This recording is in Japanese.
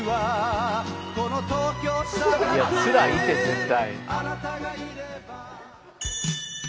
いやつらいって絶対。